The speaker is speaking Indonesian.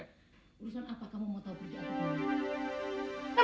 urusan apa kamu mau tahu berjaya atau bantuan